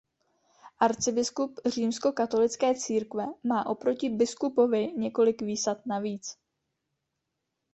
Arcibiskup římskokatolické církve má oproti biskupovi několik výsad navíc.